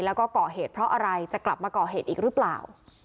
แล้วก็ก่อเหตุเพราะอะไรจะกลับมาก่อเหตุอีกหรือเปล่า